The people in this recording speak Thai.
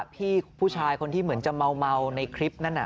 พี่ผู้ชายคนที่เหมือนจะเมาในคลิปนั้น